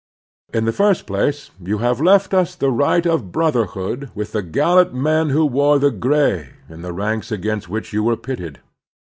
In the first place, you have left us the right of brotherhood with the gallant men who wore the 2S2 The Strenuous Life gray in the ranks against which you were pitted.